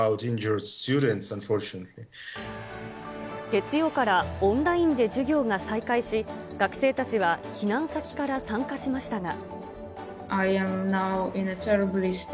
月曜からオンラインで授業が再開し、学生たちは避難先から参加しましたが。